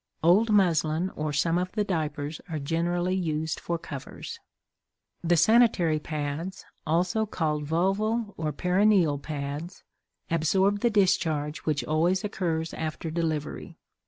Old muslin or some of the diapers are generally used for covers. The sanitary pads, also called vulval or perineal pads, absorb the discharge which always occurs after delivery.